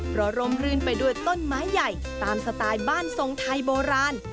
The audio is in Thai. เพราะร่มรื่นไปด้วยต้นไม้ใหญ่ตามสไตล์บ้านทรงไทยโบราณ